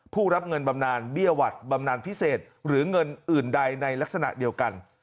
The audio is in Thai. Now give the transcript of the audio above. รับเงินบำนานเบี้ยหวัดบำนานพิเศษหรือเงินอื่นใดในลักษณะเดียวกัน